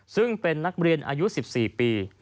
ซึ่งเป็นนักเรียนอายุ๑๔ปี